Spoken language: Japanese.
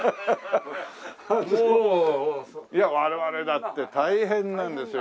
いや我々だって大変なんですよ